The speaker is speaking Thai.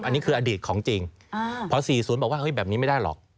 อันนี้คืออดีตของจริงเพราะ๔๐บอกว่าเฮ้ยแบบนี้ไม่ได้หรอก